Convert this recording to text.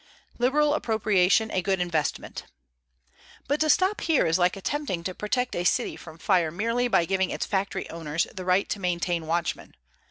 LIBERAL APPROPRIATION A GOOD INVESTMENT But to stop here is like attempting to protect a city from fire merely by giving its factory owners the right to maintain watchmen.